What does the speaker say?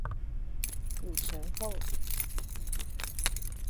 武城侯。